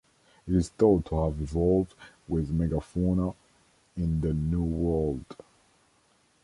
It is thought to have evolved with megafauna in the New World.